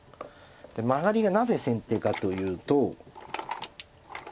でマガリがなぜ先手かというと。